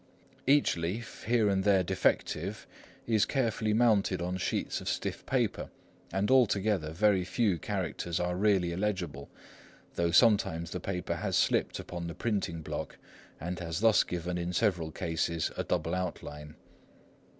Each leaf, here and there defective, is carefully mounted on sheets of stiff paper, and all together very few characters are really illegible, though sometimes the paper has slipped upon the printing block, and has thus given, in several cases, a double outline.